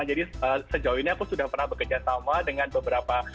jadi sejauh ini aku sudah pernah bekerja sama dengan beberapa